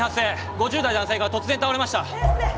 ５０代男性が突然倒れました。